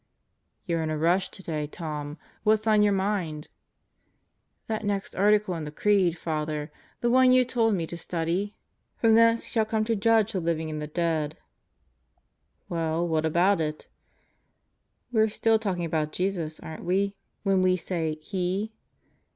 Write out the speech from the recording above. "You're in a rush today, Tom. What's on your mind?" "That next Article in the Creed, Father. The one you told me to study: 'From thence He shall come 'to judge the living and the dead' ..." "Well, what about it?" "We're still talking about Jesus aren't we, when we say 'He'?"